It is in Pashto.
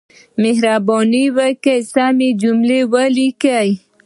مهرباني وکړئ سمې جملې ولیکئ.